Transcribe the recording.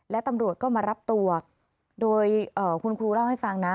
และตำรวจก็มารับตัวโดยคุณครูเล่าให้ฟังนะ